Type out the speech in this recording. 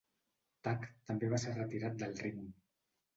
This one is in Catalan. Tuck també va ser retirat del ring.